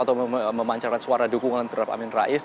atau memancarkan suara dukungan terhadap amin rais